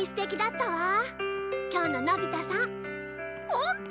ホント？